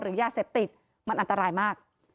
ยาเสพติดมันอันตรายมาก